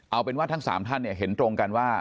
เอาเป็นว่าทั้งสามท่านเนี่ยเห็นตรงกันว่า